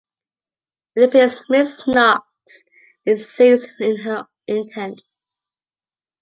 It appears Mrs. Knox is serious in her intent.